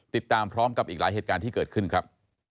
ติดตามพร้อมกับอีกหลายเหตุการณ์ที่เกิดขึ้นครับ